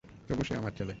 তবুও সে আমার ছেলে।